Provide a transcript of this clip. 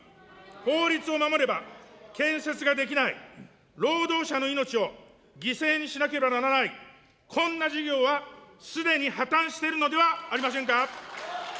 法律を守れば建設ができない、労働者の命を犠牲にしなければならない、こんな事業はすでに破綻しているのではありませんか。